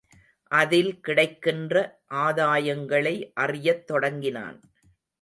அதில் கிடைக்கின்ற ஆதாயங்களை அறியத் தொடங்கினான்.